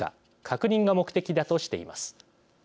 確認が目的だとしています。